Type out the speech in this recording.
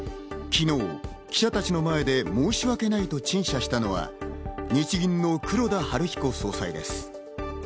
昨日、記者たちの前で申し訳ないと陳謝したのは日銀の黒田東彦総裁です。